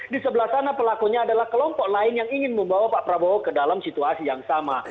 di sebelah sana pelakunya adalah kelompok lain yang ingin membawa pak prabowo ke dalam situasi yang sama